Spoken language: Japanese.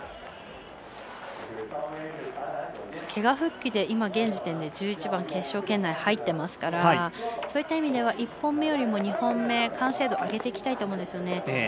けが復帰で現在１１位決勝圏内入ってますからそういった意味では１本目よりも２本目完成度、上げていきたいと思うんですよね。